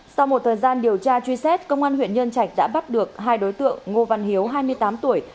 sau một thời gian điều tra truy xét công an huyện nhân trạch đã bắt được hai đối tượng ngô văn hiếu hai mươi tám tuổi